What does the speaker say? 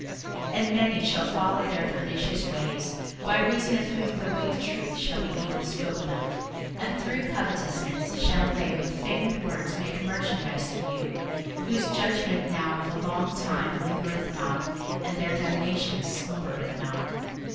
61:002:002 And many shall follow their pernicious ways; by reason of whom the way of truth shall be evil spoken of. 61:002:003 And through covetousness shall they with feigned words make merchandise of you: whose judgment now of a long time lingereth not, and their damnation slumbereth not.